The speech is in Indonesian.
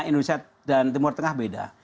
indonesia dan timur tengah beda